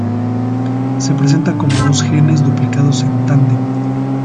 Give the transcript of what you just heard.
Se presenta como dos genes duplicados en tándem.